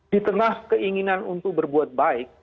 di tengah keinginan untuk berbuat baik